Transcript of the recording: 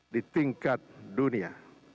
di tingkat dunia